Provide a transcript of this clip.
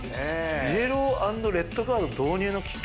「イエロー＆レッドカード導入のきっかけ」？